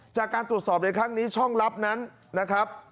จากการตรวจสอบในครั้งนี้ช่องลับนั้นนะครับ